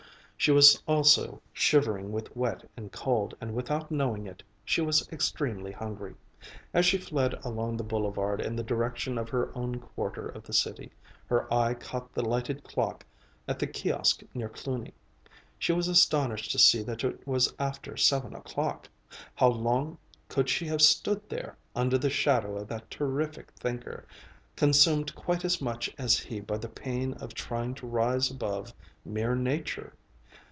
She was also shivering with wet and cold, and without knowing it, she was extremely hungry. As she fled along the boulevard in the direction of her own quarter of the city, her eye caught the lighted clock at the kiosk near Cluny. She was astonished to see that it was after seven o'clock. How long could she have stood there, under the shadow of that terrific Thinker, consumed quite as much as he by the pain of trying to rise above mere nature?